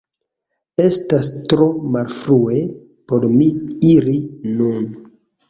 Estas tro malfrue por mi iri nun